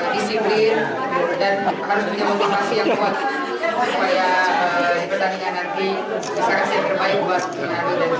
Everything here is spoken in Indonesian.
liliana menerima penyambutan meriah di bandara samratulangi di jalan raya utama